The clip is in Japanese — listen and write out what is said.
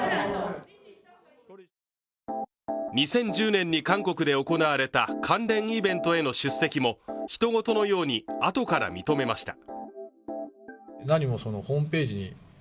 ２０１０年に韓国で行われた関連イベントへの出席もひと事のように、あとから認めました。